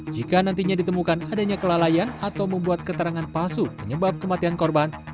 jika nantinya ditemukan adanya kelalaian atau membuat keterangan palsu penyebab kematian korban